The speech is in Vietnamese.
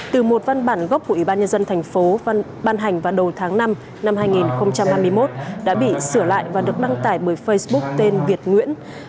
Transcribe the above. từ một văn bản gốc của ủy ban nhân dân thành phố ban hành vào đầu tháng năm năm hai nghìn hai mươi một đã bị sửa lại và được đăng tải bởi facebook tên việt nguyễn